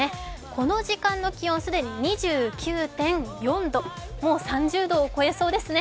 この時間の気温、既に２９．４度、もう３０度を超えそうですね。